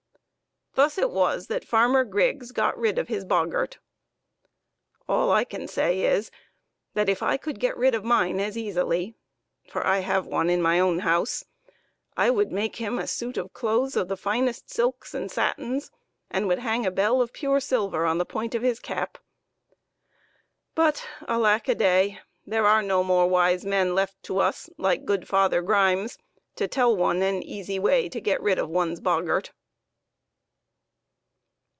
Thus it was that Farmer Griggs got rid of his boggart. All I can say is, that if I could get rid of mine as easily (for I have one in my own house), I would make him a suit of clothes of the finest silks and satins, and would hang a bell of pure silver on the point of his cap. But, alackaday ! there are no more wise men left to us, like good Father Grimes, to tell one an easy way to get rid of one's boggart.